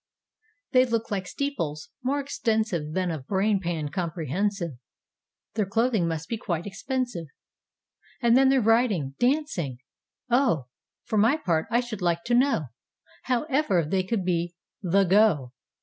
They look like steeples, more extensiveThan of brain pan comprehensive. Their clothing must be quite expensive. And then their riding, dancing! Oh, For my part I should like to knowHow ever they could be "the go."